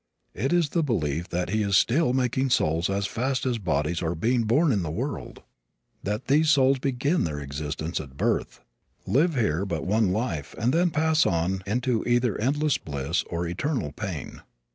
It is the belief that He is still making souls as fast as bodies are being born in the world, that these souls begin their existence at birth, live here but one life and then pass on into either endless bliss or eternal pain.